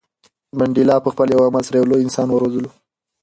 منډېلا په خپل یو عمل سره یو لوی انسان وروزلو.